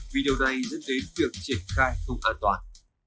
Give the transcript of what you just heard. video đây dẫn đến việc triển khai thông an toàn